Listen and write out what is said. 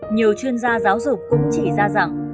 nhiều chuyên gia giáo dục cũng chỉ ra rằng